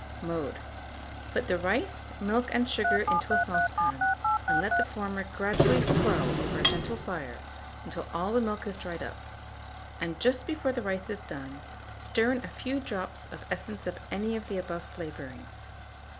Mode. Put the rice, milk, and sugar into a saucepan, and let the former gradually swell over a gentle fire until all the milk is dried up; and just before the rice is done, stir in a few drops of essence of any of the above flavourings.